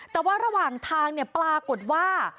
แต่ว่าระหว่างทางปรากฏว่า